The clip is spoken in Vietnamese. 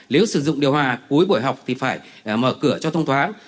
nếu sử dụng điều hòa cuối buổi học thì phải mở cửa cho thông thoáng